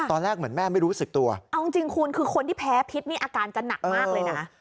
ตอนแรกเหมือนแม่ไม่รู้สึกตัวเอาจริงคุณคือคนที่แพ้พิษนี่อาการจะหนักมากเลยนะ